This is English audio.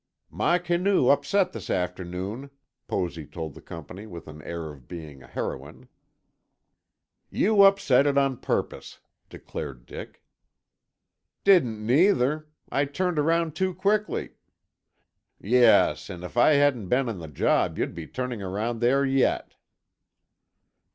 "My canoe upset this afternoon," Posy told the company with an air of being a heroine. "You upset it on purpose," declared Dick. "Didn't, either. I turned around too quickly——" "Yes, and if I hadn't been on the job you'd be turning around there yet."